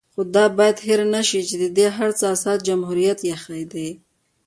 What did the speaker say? خو دا بايد هېر نشي چې د دې هر څه اساس جمهوريت ايښی دی